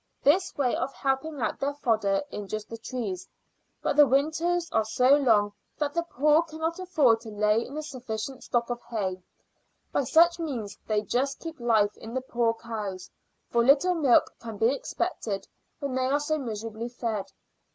This way of helping out their fodder injures the trees. But the winters are so long that the poor cannot afford to lay in a sufficient stock of hay. By such means they just keep life in the poor cows, for little milk can be expected when they are so miserably fed.